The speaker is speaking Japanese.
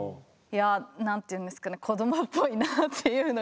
いや何ていうんですかね子どもっぽいなっていうのが第一印象。